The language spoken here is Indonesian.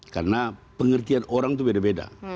karena pengertian orang itu beda beda